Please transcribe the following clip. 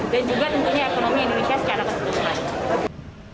dan juga tentunya ekonomi indonesia secara keseluruhan